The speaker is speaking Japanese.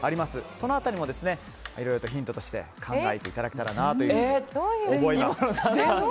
その辺りもいろいろとヒントとして考えていただけたらと思います。